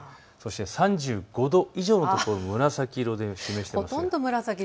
３５度以上の所、紫色で示しています。